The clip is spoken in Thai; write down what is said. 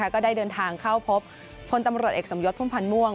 ก็ได้เดินทางเข้าพบพลตำรวจเอกสมยศพุ่มพันธ์ม่วง